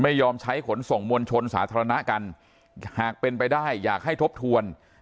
ไม่ยอมใช้ขนส่งมวลชนสาธารณะกันหากเป็นไปได้อยากให้ทบทวน